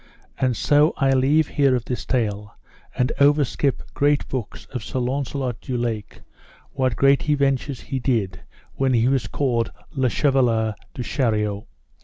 And so I leave here of this tale, and overskip great books of Sir Launcelot du Lake, what great adventures he did when he was called Le Chevaler du Chariot.